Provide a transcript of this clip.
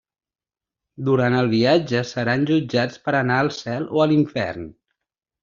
Durant el viatge seran jutjats per anar al cel o a l’infern.